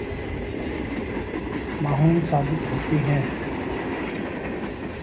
معاون ثابت ہوتی ہیں